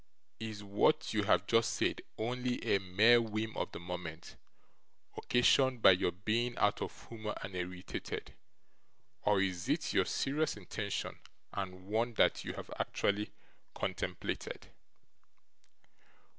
Is what you have just said only a mere whim of the moment, occasioned by your being out of humour and irritated, or is it your serious intention, and one that you have actually contemplated?